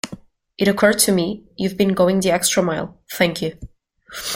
It occurred to me you've been going the extra mile. Thank you!.